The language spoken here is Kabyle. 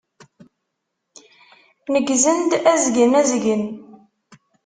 Neggzen-d azgen azgen.